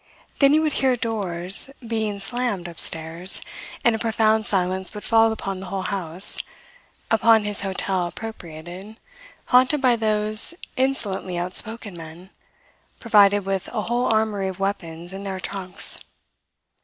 Then he would hear doors being slammed upstairs; and a profound silence would fall upon the whole house, upon his hotel appropriated, haunted by those insolently outspoken men provided with a whole armoury of weapons in their trunks.